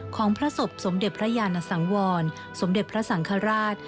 ของพระศพสมเด็จพระยานสังวรสมเด็จพระสังฆราช